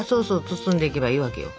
包んでいけばいいわけよ。